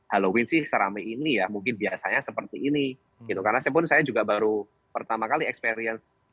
halloween sih seramai ini ya mungkin biasanya seperti ini gitu karena saya pun saya juga baru pertama kali experience